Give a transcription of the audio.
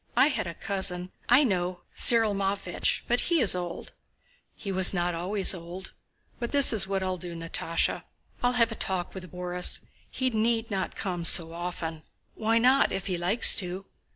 I had a cousin..." "I know! Cyril Matvéich... but he is old." "He was not always old. But this is what I'll do, Natásha, I'll have a talk with Borís. He need not come so often...." "Why not, if he likes to?"